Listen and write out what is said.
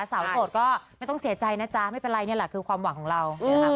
โสดก็ไม่ต้องเสียใจนะจ๊ะไม่เป็นไรนี่แหละคือความหวังของเรานะครับ